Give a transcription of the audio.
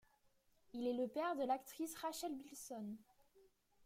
Il est le père de l'actrice Rachel Bilson.